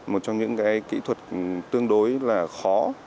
một trong những cái kỹ thuật tương đối là khó